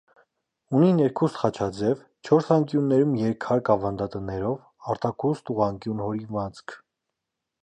Ունի ներքուստ խաչաձև, չորս անկյուններում երկհարկ ավանդատներով, արտաքուստ ուղղանկյուն հորինվածք։